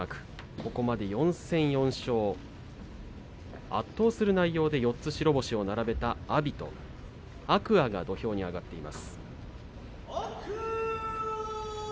ここまで４戦４勝圧倒する内容で四つ白星を並べた阿炎と天空海が土俵に上がっています。